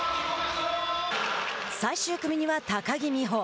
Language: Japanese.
最終組には高木美帆。